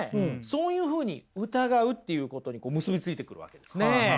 そういうふうに疑うっていうことに結び付いてくるわけですね。